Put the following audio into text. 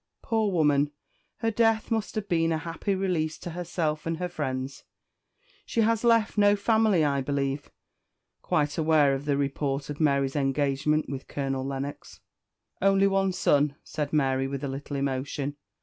Poor woman! her death must have been a happy release to herself and her friends. She has left no family, I believe?" quite aware of the report of Mary's engagement with Colonel Lennox." "Only one son," said Mary, with a little emotion.